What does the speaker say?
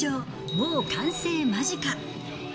もう完成間近。